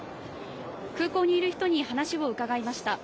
空港にいる人に話を伺いました。